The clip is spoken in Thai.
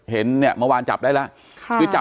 เห็นเนี่ยเมื่อวานจับได้ละ